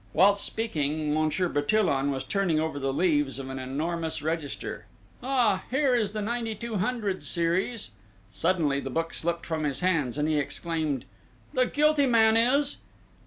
Whilst speaking, Monsieur Bertillon was turning over the leaves of an enormous register: "Ah! Here is the 9200 series!..." Suddenly the book slipped from his hands, and he exclaimed: "The guilty man is